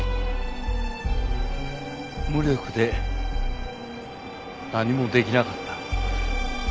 無力で何も出来なかった。